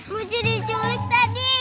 mochi diculik tadi